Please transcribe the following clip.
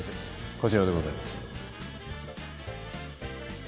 こちらでございます。